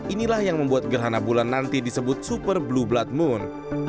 inilah yang membuat gerhana bulan nanti disebut super blue blood moon